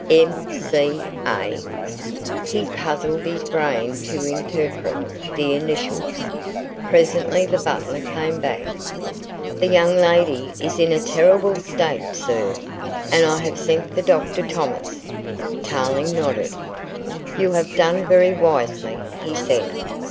"M.C.A.?" He puzzled his brain to interpret the initials. Presently the butler came back. "The young lady is in a terrible state, sir, and I have sent for Dr. Thomas." Tarling nodded. "You have done very wisely," he said.